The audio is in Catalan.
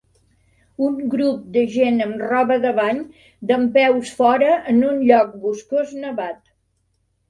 Un grup de gent amb roba de bany dempeus fora en un lloc boscós nevat.